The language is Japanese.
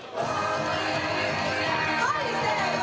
はいせの！